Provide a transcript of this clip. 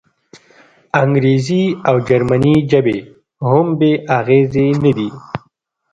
انګریزي او جرمني ژبې هم بې اغېزې نه دي.